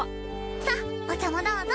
さあお茶もどうぞ。